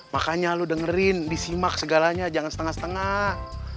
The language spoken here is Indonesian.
makanya lu dengerin disimak segalanya jangan setengah setengah